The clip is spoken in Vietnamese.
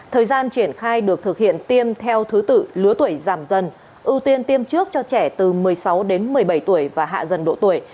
thời gian triển khai được thực hiện tiêm theo thứ tự lứa tuổi giảm dần ưu tiên tiêm trước cho trẻ từ một mươi sáu đến một mươi bảy tuổi và hạ dần độ tuổi